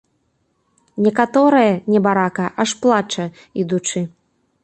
Некаторая, небарака, аж плача ідучы.